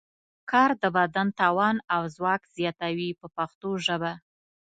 کار د بدن توان او ځواک زیاتوي په پښتو ژبه.